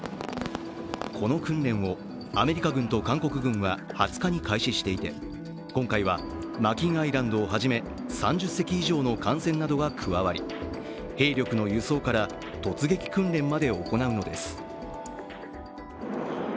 この訓練をアメリカ軍と韓国軍は２０日に開始していて今回は「マキン・アイランド」をはじめ、３０隻以上の艦船などが加わり兵力の輸送から突撃訓練まで行うのです。